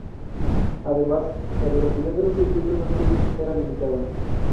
Además, la velocidad de los circuitos antiguos era limitada.